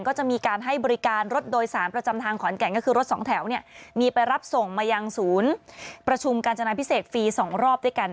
ก็จะมีการให้บริการรถโดยสารประจำทางขอนแก่นก็คือรถสองแถวเนี่ยมีไปรับส่งมายังศูนย์ประชุมกาญจนาพิเศษฟรี๒รอบด้วยกัน